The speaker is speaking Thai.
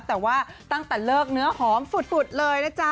แต่ว่าตั้งแต่เลิกเนื้อหอมฝุดเลยนะจ๊ะ